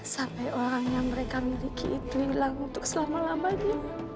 sampai orang yang mereka miliki itu hilang untuk selama lamanya